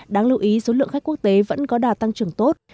đáng lưu ý số lượng khách quốc tế vẫn có đạt tăng trưởng tốt